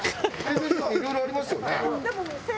いろいろありますよね。